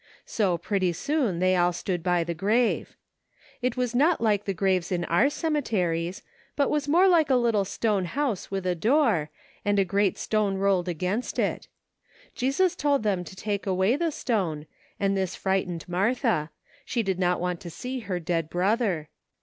So pretty soon they all stood by the grave. It was not like 103 104 NIGHT WORK. the graves in our cemeteries, but was more like a little stone liouse with a door, and a great stone rolled against it. Jesus told them to take away the stone, and this frightened Martha; she did not want to see her dead brother.